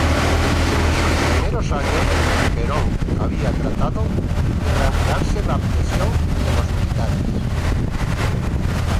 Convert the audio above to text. En sus primeros años Perón había tratado de granjearse la adhesión de los militares.